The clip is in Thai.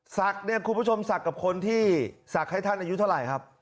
ศักดิ์เนี่ยคุณผู้ชมศักดิ์กับคนที่ศักดิ์ให้ท่านอายุเท่าไหร่ครับ